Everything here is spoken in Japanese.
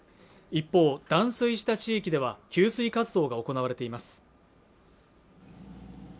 一方断水した地域では給水活動が行われています